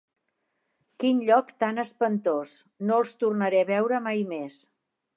Quin lloc tan espantós; no els tornaré a veure mai més!